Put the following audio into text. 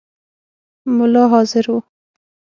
مُلا حاضر وو.